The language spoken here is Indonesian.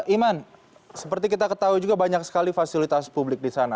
iman seperti kita ketahui juga banyak sekali fasilitas publik di sana